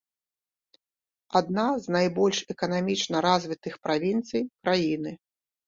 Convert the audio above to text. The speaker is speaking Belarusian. Адна з найбольш эканамічна развітых правінцый краіны.